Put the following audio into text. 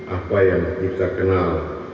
apa yang kita kenal